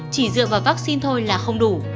chỉ dựa vào vaccine thôi là không đủ